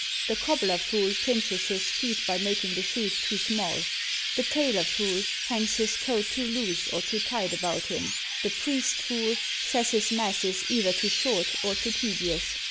The Cobbler fool pinches his feet by making the shoes too small; the Tailor fool hangs his coat too loose or too tight about him; the Priest fool says his masses either too short or too tedious.